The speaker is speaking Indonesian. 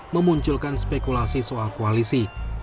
memunculkan spekulasi soal koalisi